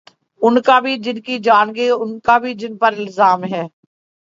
ان کا بھی جن کی جان گئی اوران کا بھی جن پر الزام ہے۔